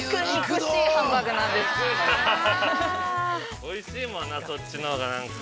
◆おいしいもんな、そっちのほうが、何か。